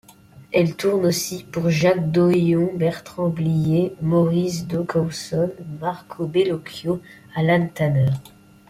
Elle tourne aussi pour Jacques Doillon, Bertrand Blier, Maurice Dugowson, Marco Bellocchio, Alain Tanner...